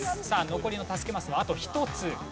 さあ残りの助けマスはあと１つ。